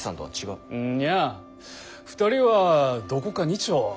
うんにゃ２人はどこか似ちょ。